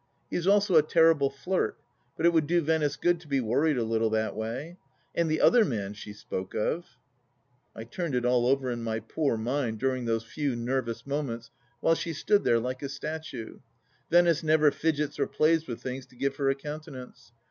He is also a terrible flirt, but it would do Venice good to be worried a little that way. ... And the other man she spoke of ... I turned it all over in my poor mind during those few nervous moments while she stood there like a statue — Venice never fidgets or plays with things to give her a countenance.